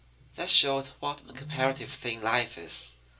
"That showed what a comparative thing life is.